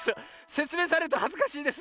せつめいされるとはずかしいです。